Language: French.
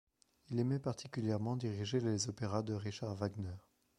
Il aimait particulièrement diriger les opéras de Richard Wagner.